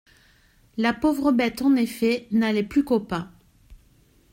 La pauvre bête en effet n'allait plus qu'au pas.